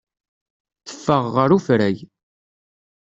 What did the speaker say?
Teffeɣ ɣer ufrag.